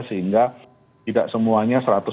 sehingga tidak semuanya